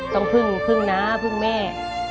ต้องพึ่งพึ่งเมื่อ